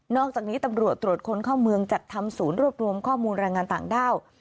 อกจากนี้ตำรวจตรวจคนเข้าเมืองจัดทำศูนย์รวบรวมข้อมูลแรงงานต่างด้าว